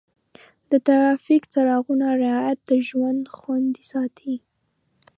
د ټرافیک څراغونو رعایت د ژوند خوندي ساتي.